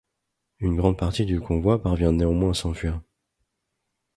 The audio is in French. Une grande partie du convoi parvient néanmoins à s’enfuir.